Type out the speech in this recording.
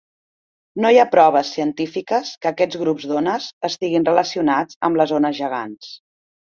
No hi ha proves científiques que aquests grups d'ones estiguin relacionats amb les ones gegants.